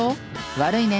悪いね。